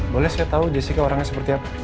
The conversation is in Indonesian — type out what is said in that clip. boleh saya tahu jessica orangnya seperti apa